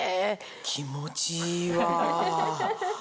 気持ちいいわぁ。